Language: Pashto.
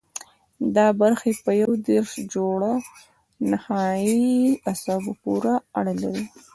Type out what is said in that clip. دا برخې په یو دېرش جوړو نخاعي عصبو پورې اړه لري.